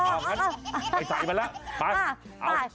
เออไปใส่มันล่ะไป